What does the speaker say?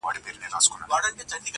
کشکي ستا په خاطر لمر وای راختلی!٫